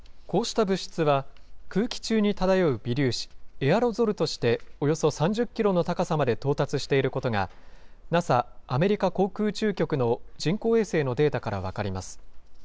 こうした物質は、空気中に漂う微粒子・エアロゾルとしておよそ３０キロの高さまで到達していることが、ＮＡＳＡ・アメリカ航空宇宙局の人工衛星のデータから分かります。